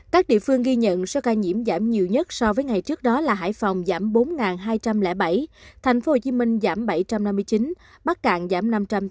các địa phương ghi nhận số ca nhiễm giảm nhiều nhất so với ngày trước đó là hải phòng giảm bốn hai trăm linh bảy tp hcm giảm bảy trăm năm mươi chín bắc cạn giảm năm trăm sáu mươi tám